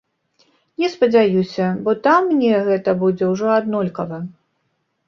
Не спадзяюся, бо там мне гэта будзе ўжо аднолькава.